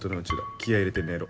気合入れて寝ろ。